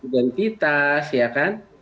identitas ya kan